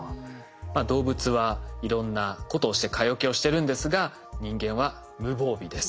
動物はいろんなことをして蚊よけをしてるんですが人間は無防備です。